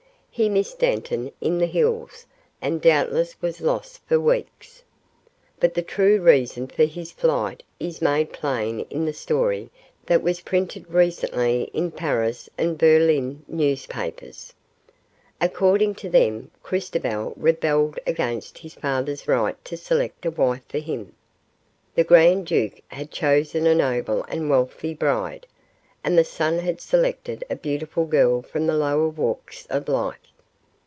He missed Dantan in the hills and doubtless was lost for weeks. But the true reason for his flight is made plain in the story that was printed recently in Paris and Berlin newspapers. According to them, Christobal rebelled against his father's right to select a wife for him. The grand duke had chosen a noble and wealthy bride, and the son had selected a beautiful girl from the lower walks of life.